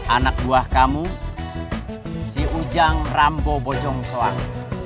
anak buah kamu si ujang rambo bojong soang